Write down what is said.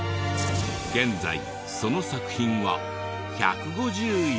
現在その作品は１５０以上。